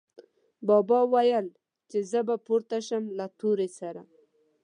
بابا ویل، چې زه به پورته شم له تورې سره